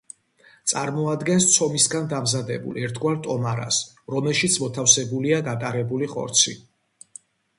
წარმოადგენს ცომისგან დამზადებულ ერთგვარ ტომარას, რომელშიც მოთავსებულია გატარებული ხორცი.